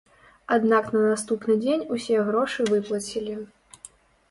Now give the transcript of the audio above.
Аднак на наступны дзень усе грошы выплацілі.